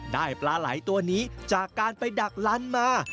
ปลาไหล่ตัวนี้จากการไปดักลันมา